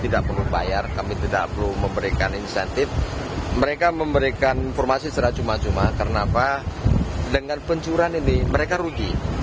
dengan pencuran ini mereka rugi